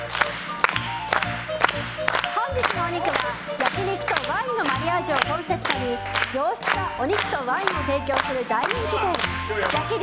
本日のお肉は焼き肉とワインのマリアージュをコンセプトに上質なお肉とワインを提供する大人気店焼肉